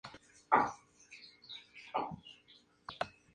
Furioso decide vengarse.